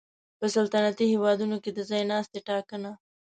په سلطنتي هېوادونو کې د ځای ناستي ټاکنه